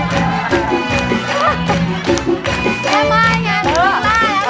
พอครูใหญ่แล้วครูใหญ่